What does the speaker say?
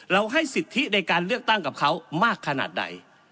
ให้สิทธิในการเลือกตั้งกับเขามากขนาดใด